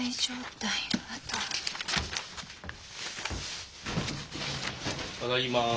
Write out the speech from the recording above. ただいま。